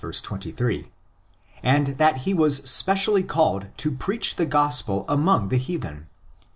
28), and that he was specially called to preach the Gospel among the heathen (i.